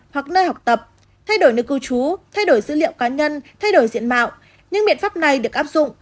hoặc nơi học tập thay đổi nơi cư trú thay đổi dữ liệu cá nhân thay đổi diện mạo những biện pháp này được áp dụng